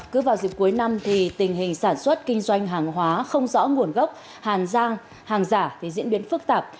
cứ vào dịp cuối năm tình hình sản xuất kinh doanh hàng hóa không rõ nguồn gốc hàng giả diễn biến phức tạp